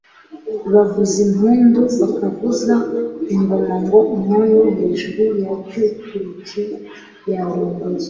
Bavuza impundu, bakavuza ingoma ngo umwami wo hejuru yabyukurutse, yarongoye